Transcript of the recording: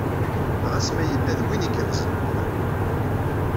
Ɣas ma yella d win igerrzen maḍi.